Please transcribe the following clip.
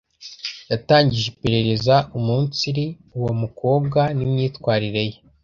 yatangije iperereza umunsiri uwo mukobwa n’imyitwarire ye.